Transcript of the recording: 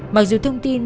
mặc dù thông tin